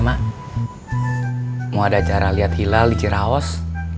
mau ada acara lihat hilal di ciraos